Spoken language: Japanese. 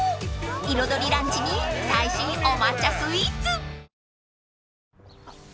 ［彩りランチに最新お抹茶スイーツ］